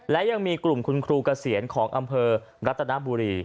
และยังมีกลุ่มคุณครูเกษียณของอำเภอรัตนบุรี